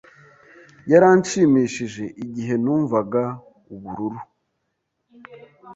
Yaranshimishije igihe numvaga ubururu.